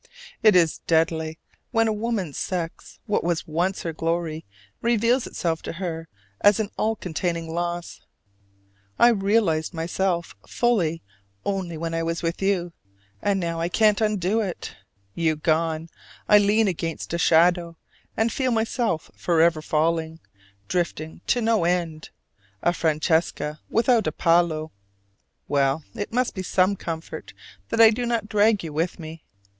It is deadly when a woman's sex, what was once her glory, reveals itself to her as an all containing loss. I realized myself fully only when I was with you; and now I can't undo it. You gone, I lean against a shadow, and feel myself forever falling, drifting to no end, a Francesca without a Paolo. Well, it must be some comfort that I do not drag you with me.